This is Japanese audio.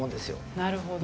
なるほど。